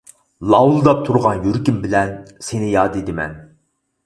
لاۋۇلداپ تۇرغان يۈرىكىم بىلەن سېنى ياد ئېتىمەن.